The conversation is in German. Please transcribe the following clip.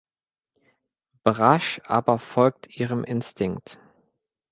Brasch aber folgt ihrem Instinkt.